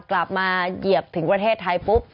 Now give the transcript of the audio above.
กลับมาเหยียบถึงประเทศไทยปุ๊บ